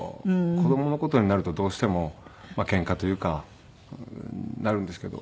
子供の事になるとどうしてもケンカというかなるんですけど。